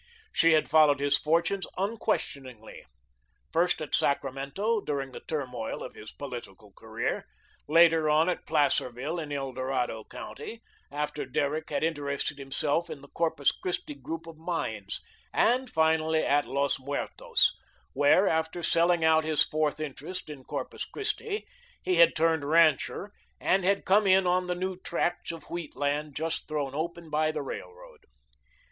She had followed his fortunes unquestioningly. First at Sacramento, during the turmoil of his political career, later on at Placerville in El Dorado County, after Derrick had interested himself in the Corpus Christi group of mines, and finally at Los Muertos, where, after selling out his fourth interest in Corpus Christi, he had turned rancher and had "come in" on the new tracts of wheat land just thrown open by the railroad.